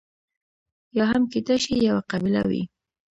یا هم کېدای شي یوه قبیله وي.